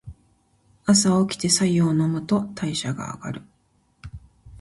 朝おきて白湯を飲むと代謝が上がる。